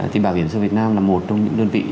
thì bảo hiểm xã hội việt nam là một trong những đơn vị